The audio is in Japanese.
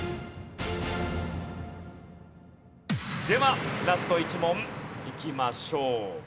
ではラスト１問いきましょう。